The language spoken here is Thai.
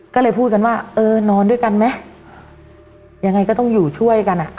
ก็เลยพูดกันว่าเออนอนด้วยกันไหมยังไงก็ต้องอยู่ช่วยกันอ่ะ